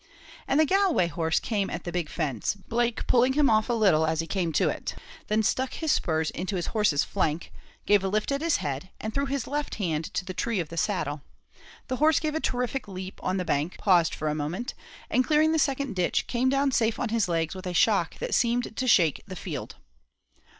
And the Galway horse came at the big fence Blake pulling him off a little as he came to it, then stuck his spurs into his horse's flank gave a lift at his head, and threw his left hand to the tree of the saddle. The horse gave a terrific leap on the bank paused for a moment and clearing the second ditch, came down safe on his legs with a shock that seemed to shake the field.